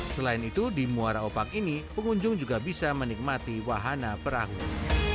selain itu di muara opak ini pengunjung juga bisa menikmati wahana perahu